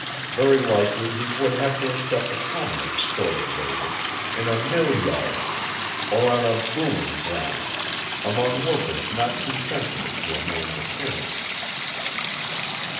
Very likely he would have to accept the commonest sort of labor, in a mill yard, or on a booming ground, among workers not too sensitive to a man's appearance.